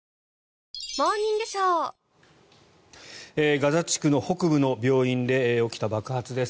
ガザ地区の北部の病院で起きた爆発です。